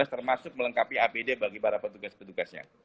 termasuk melengkapi apd bagi para petugas petugasnya